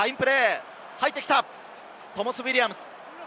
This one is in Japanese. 入ってきた、トモス・ウィリアムズ。